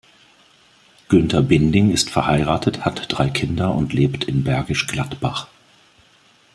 Günther Binding ist verheiratet, hat drei Kinder und lebt in Bergisch Gladbach.